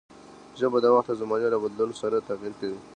ژبه د وخت او زمانې له بدلون سره تغير کوي.